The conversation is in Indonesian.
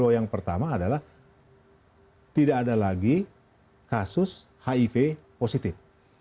yang pertama adalah tidak ada lagi kasus hiv positif